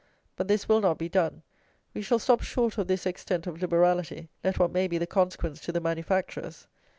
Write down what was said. But this will not be done. We shall stop short of this extent of "liberality," let what may be the consequence to the manufacturers.